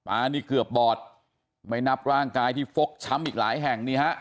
นี่เกือบบอดไม่นับร่างกายที่ฟกช้ำอีกหลายแห่งนี่ฮะ